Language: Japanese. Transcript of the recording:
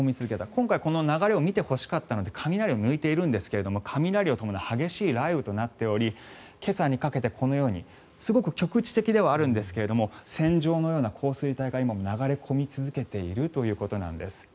今回、この流れを見てほしかったので雷を抜いているんですが雷を伴う激しい雷雨となっており今朝にかけて、このようにすごく局地的ではあるんですが線状のような降水帯が今も流れ込み続けているということなんです。